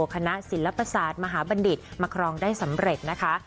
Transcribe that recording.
คณะศิลประสาทมหาบันดิตมาครองได้สำหรับ